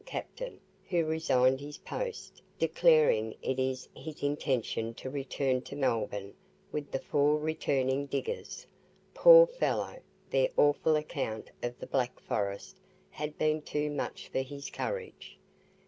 captain, who resigned his post, declaring it his intention to return to Melbourne with the four returning diggers. Poor fellow! their awful account of the Black Forest had been too much for his courage.